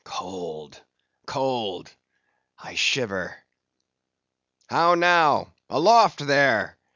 Cold, cold—I shiver!—How now? Aloft there!